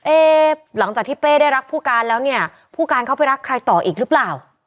หลังจากที่เป้ได้รักผู้การแล้วเนี่ยผู้การเขาไปรักใครต่ออีกหรือเปล่า